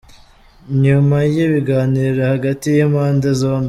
Nyuma y’ibiganiro hagati y’impande zombi, Lt .